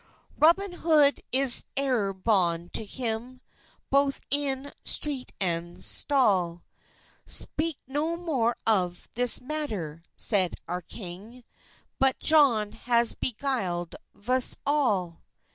"Robyne Hode is euer bond to him, Bothe in strete and stalle; Speke no more of this matter," seid oure kynge, "But John has begyled vs alle."